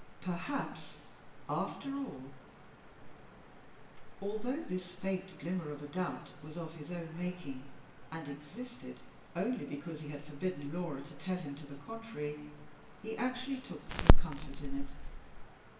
Perhaps, after all Although this faint glimmer of a doubt was of his own making, and existed only because he had forbidden Laura to tell him to the contrary, he actually took some comfort in it.